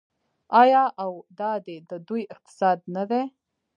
آیا او دا دی د دوی اقتصاد نه دی؟